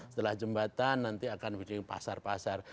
setelah jembatan nanti akan muncul pasar pasar